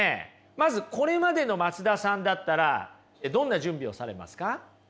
まずこれまでの松田さんだったらどんな準備をされますか？